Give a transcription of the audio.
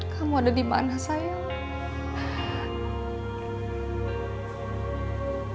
kamu ada dimana sayang